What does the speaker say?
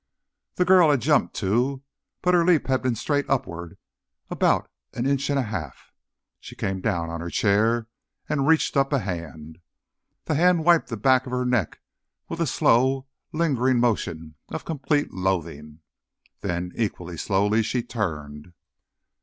The girl had jumped, too, but her leap had been straight upward, about an inch and a half. She came down on her chair and reached up a hand. The hand wiped the back of her neck with a slow, lingering motion of complete loathing. Then, equally slowly, she turned.